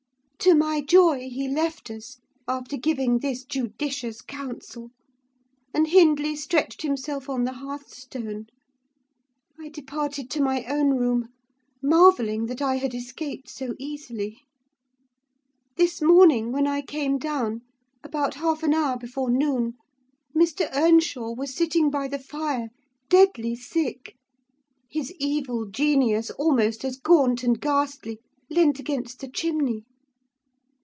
To my joy, he left us, after giving this judicious counsel, and Hindley stretched himself on the hearthstone. I departed to my own room, marvelling that I had escaped so easily. "This morning, when I came down, about half an hour before noon, Mr. Earnshaw was sitting by the fire, deadly sick; his evil genius, almost as gaunt and ghastly, leant against the chimney.